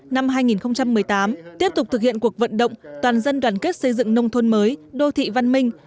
năm hai nghìn một mươi tám tiếp tục thực hiện cuộc vận động toàn dân đoàn kết xây dựng nông thôn mới đô thị văn minh